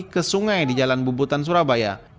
ke sungai di jalan bubutan surabaya